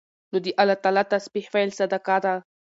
نو د الله تعالی تسبيح ويل صدقه ده